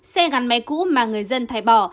xe gắn máy cũ mà người dân thái bỏ